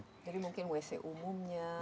jadi mungkin wc umumnya atau